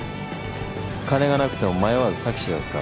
金がなくても迷わずタクシーを使う。